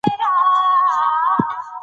ازادي راډیو د د اوبو منابع بدلونونه څارلي.